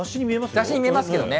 雑誌に見えますけどね。